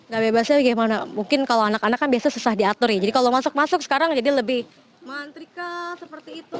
gak bebasnya bagaimana mungkin kalau anak anak kan biasanya susah diatur ya jadi kalau masuk masuk sekarang jadi lebih mantrik seperti itu